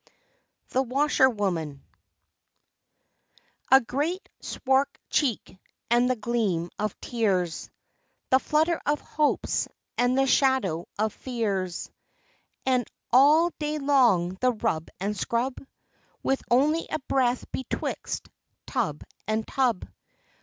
THE WASHER WOMAN A great swart cheek and the gleam of tears, The flutter of hopes and the shadow of fears, And all day long the rub and scrub With only a breath betwixt tub and tub.